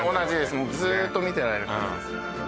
もうずーっと見てられる感じです